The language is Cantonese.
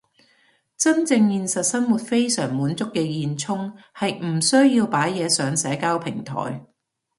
真正現實生活非常滿足嘅現充係唔需要擺嘢上社交平台